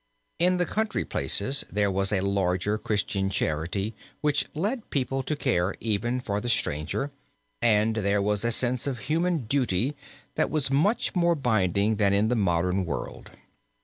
In the country places there was a larger Christian charity which led people to care even for the stranger, and there was a sense of human duty that was much more binding than in the modern world.